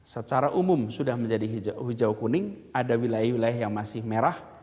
secara umum sudah menjadi hijau kuning ada wilayah wilayah yang masih merah